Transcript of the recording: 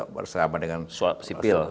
bersama dengan sipil